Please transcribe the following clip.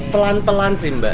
pelan pelan sih mbak